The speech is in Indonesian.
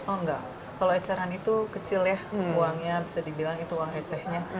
oh enggak kalau eceran itu kecil ya uangnya bisa dibilang itu uang recehnya